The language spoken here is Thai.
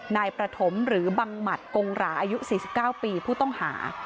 นายประถมหรือบังหมัดกงหราอายุ๔๙ปีผู้ต้องหา